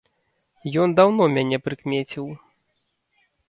Ён даўно мяне прыкмеціў.